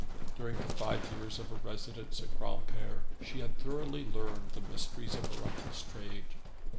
During the five years of her residence at Granpere she had thoroughly learned the mysteries of her uncle's trade.